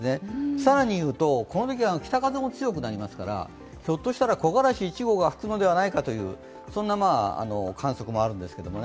更に言うと、このときは北風木よくなりますからひょっとしたら木枯らし１号も吹くんじゃないか、そんな観測もあるんですけれどもね。